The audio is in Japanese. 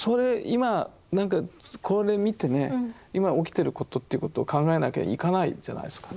今何かこれ見てね今起きてることということを考えなきゃいかないじゃないですか。